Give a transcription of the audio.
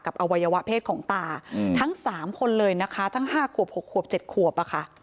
อวัยวะเพศของตาทั้ง๓คนเลยนะคะทั้ง๕ขวบ๖ขวบ๗ขวบอะค่ะ